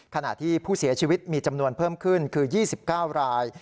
ขณะที่ผู้เสียชีวิตมีจำนวนเพิ่มขึ้นคือ๒๙ราย